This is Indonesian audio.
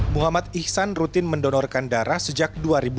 muhammad ihsan rutin mendonorkan darah sejak dua ribu lima